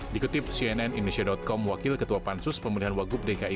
dikutip cnn indonesia com wakil ketua pansus pemilihan wagub dki